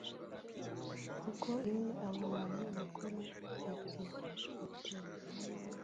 kuko bene abo bantu bagikora ibyo ati